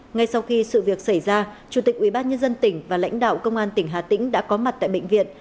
ngay sau khi sự việc xảy ra chủ tịch ubnd tỉnh và lãnh đạo công an tỉnh hà tĩnh đã có mặt tại bệnh viện